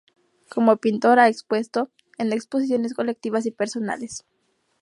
Como pintor ha expuesto en exposiciones colectivas y personales.